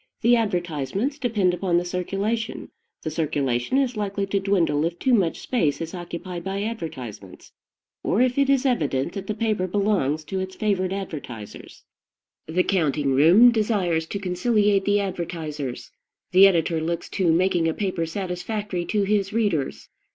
The advertisements depend upon the circulation; the circulation is likely to dwindle if too much space is occupied by advertisements, or if it is evident that the paper belongs to its favored advertisers. The counting room desires to conciliate the advertisers; the editor looks to making a paper satisfactory to his readers.